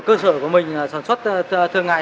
cơ sở của mình sản xuất thương ngại